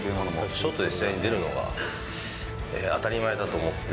ショートで試合に出るのは、当たり前だと思って。